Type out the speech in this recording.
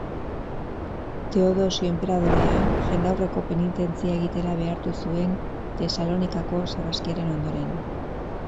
Teodosio enperadorea jendaurreko penitentzia egitera behartu zuen Tesalonikako sarraskiaren ondoren.